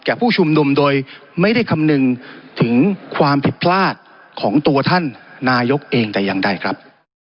ผู้ชุมนุมโดยไม่ได้คำนึงถึงความผิดพลาดของตัวท่านนายกเองแต่อย่างใดครับ